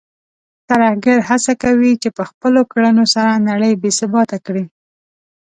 ترهګر هڅه کوي چې په خپلو کړنو سره نړۍ بې ثباته کړي.